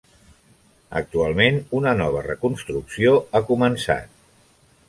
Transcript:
Actualment, una nova reconstrucció ha començat.